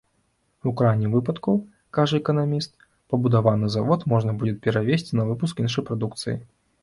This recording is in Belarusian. У крайнім выпадку, кажа эканаміст, пабудаваны завод можна будзе перавесці на выпуск іншай прадукцыі.